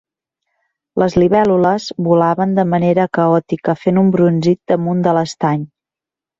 Les libèl·lules volaven de manera caòtica fent un brunzit damunt de l'estany.